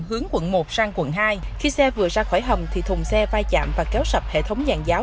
hướng quận một sang quận hai khi xe vừa ra khỏi hầm thùng xe vai chạm và kéo sập hệ thống giàn giáo